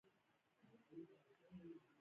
عدل د پاچاهۍ ستون دی